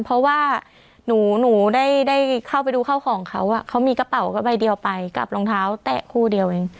เพราะว่าหนูได้เข้าไปดูเข้าของเขาเขามีกระเป๋าก็ใบเดียวไปกับรองเท้าแตะคู่เดียวเอง